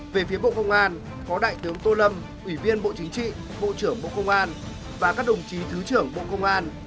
về phía bộ công an có đại tướng tô lâm ủy viên bộ chính trị bộ trưởng bộ công an và các đồng chí thứ trưởng bộ công an